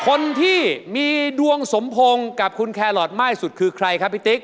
คนที่มีดวงสมพงษ์กับคุณแครอทมากสุดคือใครครับพี่ติ๊ก